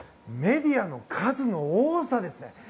メディアの数の多さです。